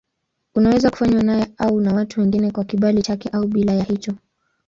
Unaweza kufanywa naye au na watu wengine kwa kibali chake au bila ya hicho.